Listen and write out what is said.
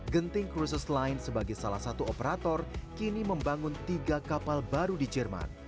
genting cruises line sebagai salah satu operator kini membangun tiga kapal baru di jerman